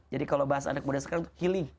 jadi kalau bahasa anak muda sekarang itu healing